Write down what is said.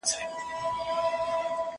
ما مخکي د سبا لپاره د ژبي تمرين کړی وو!!